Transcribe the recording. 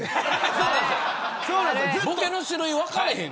ボケの種類が分からへん。